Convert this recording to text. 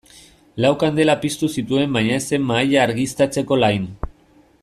Lau kandela piztu zituen baina ez zen mahaia argiztatzeko lain.